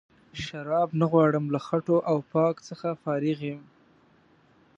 شراب نه غواړم له خټو او پاک څخه فارغ یم.